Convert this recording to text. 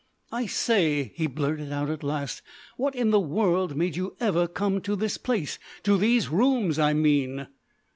"I say," he blurted out at last, "what in the world made you ever come to this place to these rooms, I mean?"